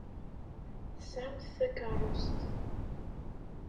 Tesɛamt takeṛṛust.